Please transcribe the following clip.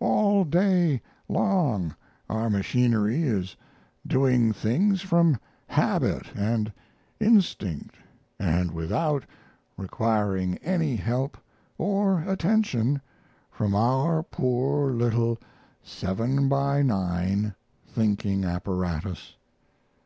All day long our machinery is doing things from habit & instinct, & without requiring any help or attention from our poor little 7 by 9 thinking apparatus.